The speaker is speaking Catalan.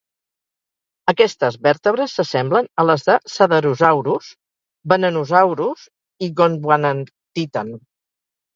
Aquestes vèrtebres s'assemblen a les de "cedarosaurus", "venenosaurus" i "gondwanatitan".